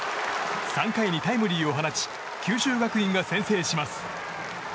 ３回にタイムリーを放ち九州学院が先制します。